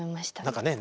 何かね